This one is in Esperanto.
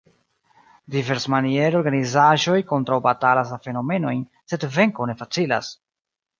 Diversmaniere organizaĵoj kontraŭbatalas la fenomenojn, sed venko ne facilas.